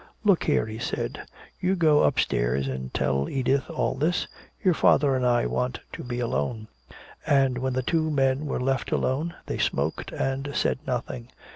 "Look here," he said. "You go upstairs and tell Edith all this. Your father and I want to be alone." And when the two men were left alone, they smoked and said nothing.